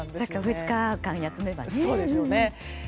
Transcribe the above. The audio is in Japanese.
２日間休めばですね。